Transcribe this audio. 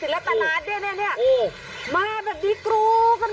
แล้วขนาดเดียวกันคุณผู้ชมภาพอีกนึง